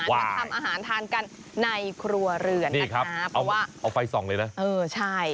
มาทำอาหารทานกันในครัวเรือนนะครับเพราะว่าเอาไฟส่องเลยนะเออใช่